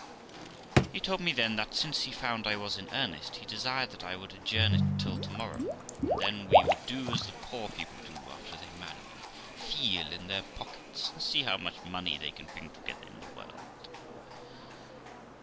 He told me then, that, since he found I was in earnest, he desired that I would adjourn it till to morrow, and then we would do as the poor people do after they marry, feel in their pockets, and see how much money they can bring together in the world.